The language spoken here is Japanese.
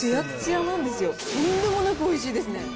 とんでもなくおいしいですね。